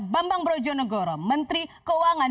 bambang brojonegoro menteri keuangan